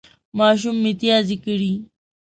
ماشوم متیازې کړې